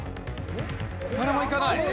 誰もいかない。